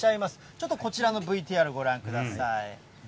ちょっとこちらのＶＴＲご覧ください。